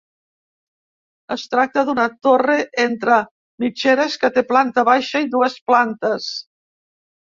Es tracta d'una torre entre mitgeres que té planta baixa i dues plantes.